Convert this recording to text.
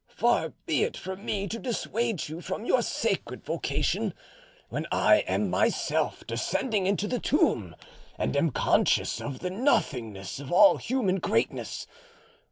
Far be it from me to dissuade you from your sacred vocation, when I am myself descending into the tomb and am conscious of the nothingness of all human greatness.